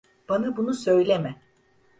Bana bunu söyleme.